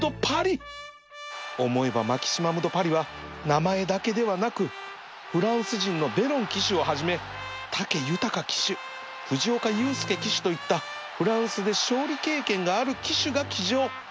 思えばマキシマムドパリは名前だけではなくフランス人のヴェロン騎手をはじめ武豊騎手藤岡佑介騎手といったフランスで勝利経験がある騎手が騎乗